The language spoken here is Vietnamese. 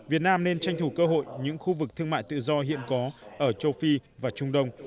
việt nam nên tranh thủ cơ hội những khu vực thương mại tự do hiện có ở châu phi và trung đông